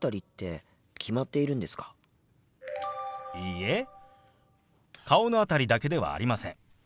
いいえ顔の辺りだけではありません。